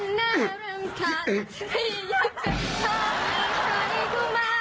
มันเปิด